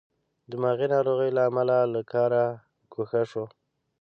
دماغې ناروغۍ له امله له کاره ګوښه شو.